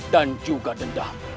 dan juga dendam